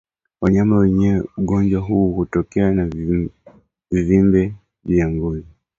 Wanyama wenye ugonjwa huu hutokewa na vivimbe juu ya ngozi